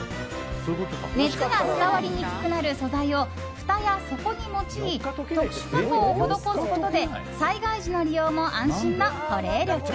熱が伝わりにくくなる素材をふたや底に用い特殊加工を施すことで災害時の利用も安心の保冷力。